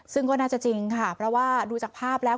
ซึ่งก็น่าจะจริงค่ะเพราะว่าดูจากภาพแล้ว